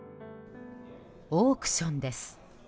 オークションです。